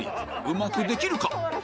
うまくできるか？